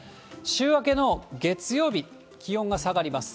週明けの月曜日、気温が下がります。